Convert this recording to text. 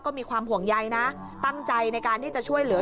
ก็มีความห่วงใยนะตั้งใจในการที่จะช่วยเหลือ